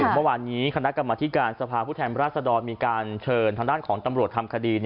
เมื่อวานนี้คณะกรรมธิการสภาพผู้แทนราชดรมีการเชิญทางด้านของตำรวจทำคดี